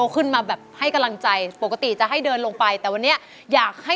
หกหมื่นบาทให้เราพร้อมแล้วสี่หนุ่มเชิญค่ะมา